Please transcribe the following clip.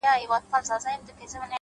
ناځوانه ښه ښېرا قلندري کړې ده _